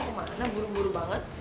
papi mau kemana buru buru banget